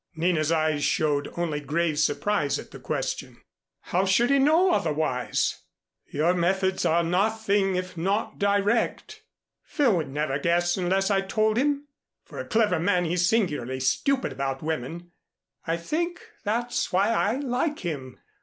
Nina's eyes showed only grave surprise at the question. "How should he know it otherwise?" "Your methods are nothing, if not direct." "Phil would never guess unless I told him. For a clever man he's singularly stupid about women. I think that's why I like him.